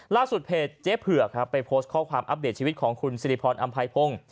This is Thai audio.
เพจเจ๊เผือกครับไปโพสต์ข้อความอัปเดตชีวิตของคุณสิริพรอำไพพงศ์